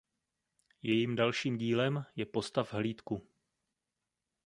Jejím dalším dílem je Postav hlídku.